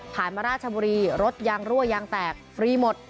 มาราชบุรีรถยางรั่วยางแตกฟรีหมด